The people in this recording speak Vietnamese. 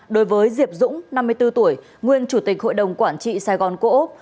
đối với diệp dũng năm mươi bốn tuổi nguyên chủ tịch hội đồng quản trị sài gòn cổ úc